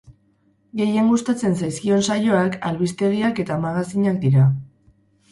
Gehien gustatzen zaizkion saioak albistegiak eta magazinak dira.